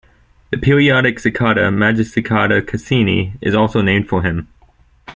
The periodic cicada "Magicicada cassini "is also named for him.